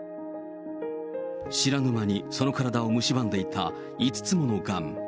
知らぬ間にその体をむしばんでいた５つものがん。